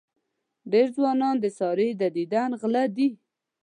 ډېر ځوانان د سارې د دیدن غله دي.